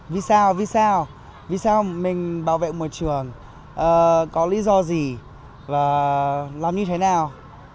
vì sao mình bảo vệ môi trường có lý do gì làm như thế nào